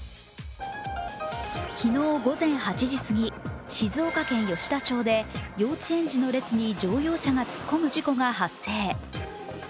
昨日午前８時すぎ、静岡県吉田町で幼稚園児の列に乗用車が突っ込む事故が発生。